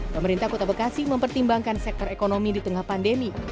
pemerintah kota bekasi mempertimbangkan sektor ekonomi di tengah pandemi